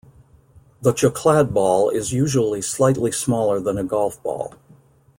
The chokladboll is usually slightly smaller than a golf ball.